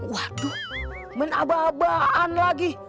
waduh menabah abahan lagi